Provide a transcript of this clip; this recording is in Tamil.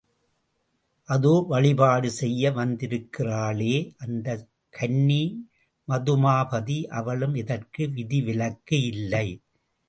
அதோ வழிபாடு செய்ய வந்திருக்கின்றாளே அந்தக் கன்னி பதுமாபதி, அவளும் இதற்கு விதிவிலக்கு இல்லை.